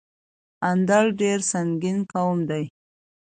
اندړ ډير سنګين قوم دی